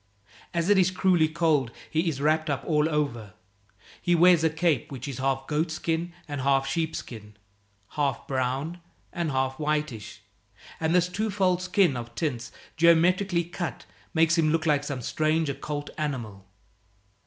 As it is cruelly cold, he is wrapped up all over. He wears a cape which is half goatskin and half sheepskin, half brown and half whitish, and this twofold skin of tints geometrically cut makes him like some strange occult animal.